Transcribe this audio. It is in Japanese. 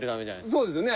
そうですよね。